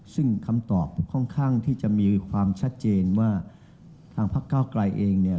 ซึ่งคำตอบค่อนข้างที่จะมีความชัดเจนว่าทางพักเก้าไกลเองเนี่ย